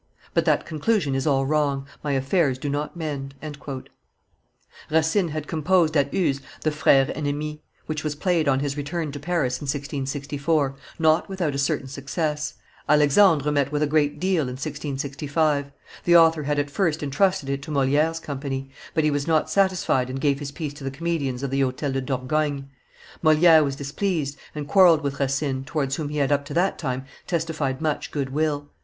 But that conclusion is all wrong; my affairs do not mend." Racine had composed at Uzes the Freres ennemis, which was played on his return to Paris in 1664, not without a certain success; Alexandre met with a great deal in 1665; the author had at first intrusted it to Moliere's company, but he was not satisfied and gave his piece to the comedians of the Hotel de Dourgogne. Moliere was displeased, and quarrelled with Racine, towards whom he had up to that time testified much good will.